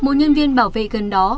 một nhân viên bảo vệ gần đó